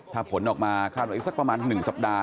ถ้าผลออกมาขั้นอีกสักประมาณ๑สัปดาห์